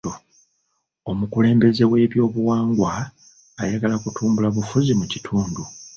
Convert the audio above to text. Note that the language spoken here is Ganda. Omukulembeze w'ebyobuwangwa ayagala kutumbula bufuzi mu kitundu.